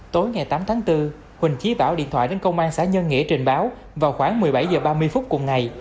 tối ngày tám tháng bốn huỳnh chí bảo điện thoại đến công an xã nhân nghĩa trình báo vào khoảng một mươi bảy h ba mươi phút cùng ngày